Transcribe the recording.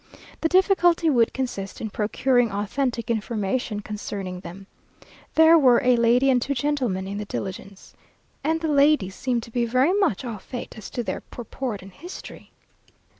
The difficulty would consist in procuring authentic information concerning them. There were a lady and two gentlemen in the diligence, and the lady seemed to be very much au fait as to their purport and history.